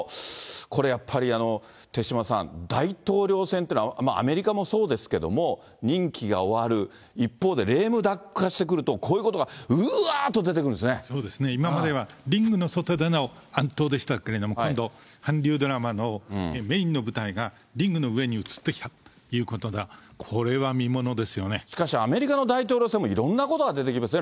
これやっぱり、手嶋さん、大統領選っていうのは、アメリカもそうですけども、任期が終わる、一方でレームダック化してくると、こういうことがうわーっと出てくそうですね、今まではリングの外での暗闘でしたけれども、今度、韓流ドラマのメインの舞台がリングの上に移ってきたということで、しかし、アメリカの大統領選もいろんなことが出てきません？